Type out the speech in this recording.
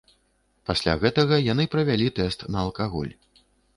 Пасля гэтага яны правялі тэст на алкаголь.